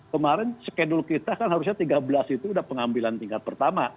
kemarin skedul kita kan harusnya tiga belas itu udah pengambilan tingkat pertama